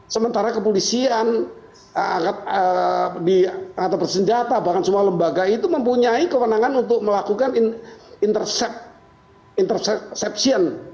sementara kepolisian di angkatan bersenjata bahkan semua lembaga itu mempunyai kewenangan untuk melakukan interception